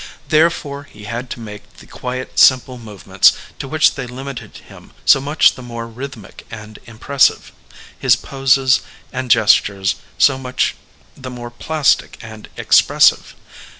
Therefore he had to make the quiet, simple movements to which they limited him so much the more rhythmic and impressive, his poses and gestures so much the more plastic and expressive.